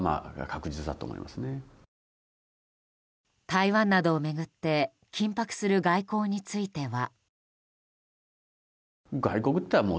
台湾などを巡って緊迫する外交については。